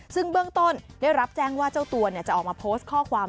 ซึ่งเบื้องต้นได้รับแจ้งว่าเจ้าตัวจะออกมาโพสต์ข้อความ